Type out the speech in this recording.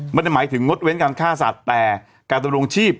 ไม่ได้หมายถึงงดเว้นการฆ่าสัตว์แต่การดำรงชีพ